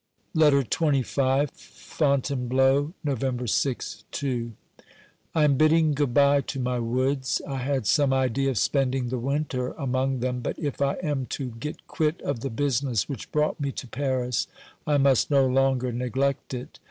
LETTER XXV FONTAINEBLEAU, November 6 (II). I am bidding good bye to my woods. I had some idea of spending the winter among them, but if I am to get quit of the business which brought me to Paris, I must no longer neglect it.